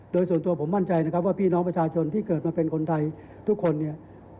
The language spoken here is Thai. โดยส่วนตัวผมมั่นใจนะครับว่าพี่น้องประชาชนที่เกิดมาเป็นคนไทยทุกคนเนี่ย